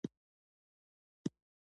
د موسیقۍ اوریدل ذهني ارامۍ راولي.